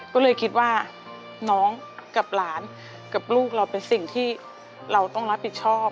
ก็เลยคิดว่าน้องกับหลานกับลูกเราเป็นสิ่งที่เราต้องรับผิดชอบ